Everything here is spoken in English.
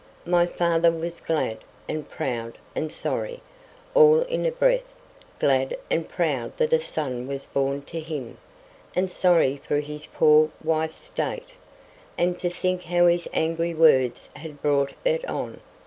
My father was glad, and proud, and sorry, all in a breath; glad and proud that a son was born to him; and sorry for his poor wife's state, and to think how his angry words had brought it on.